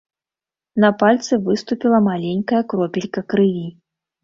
На пальцы выступіла маленькая кропелька крыві.